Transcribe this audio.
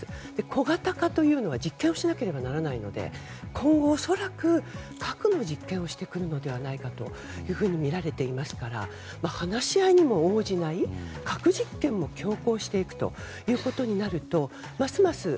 小型化というのは実験をしなければならないので今後、恐らく核の実験をしてくるのではないかとみられていますから話し合いにも応じない核実験も強行していくということになるとますます。